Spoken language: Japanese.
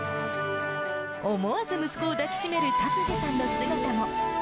思わず息子を抱き締める辰司さんの姿も。